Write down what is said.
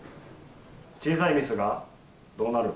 小さいミスがどうなる？